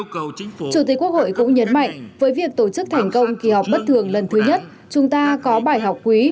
chủ tịch quốc hội cũng nhấn mạnh với việc tổ chức thành công kỳ họp bất thường lần thứ nhất chúng ta có bài học quý